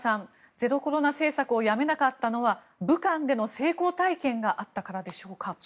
ゼロコロナ政策をやめなかったのは武漢での成功体験があったからでしょうか。